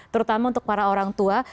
terutama untuk para orang tua